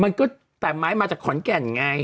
มันก็แต่ไม้มาจากขอนแก่นไง